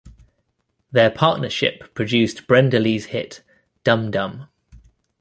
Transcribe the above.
Their partnership produced Brenda Lee's hit Dum Dum.